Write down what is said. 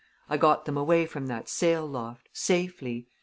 I got them away from that sail loft safely.